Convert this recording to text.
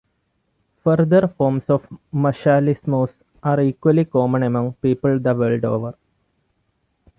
Further forms of maschalismos are equally common among peoples the world over.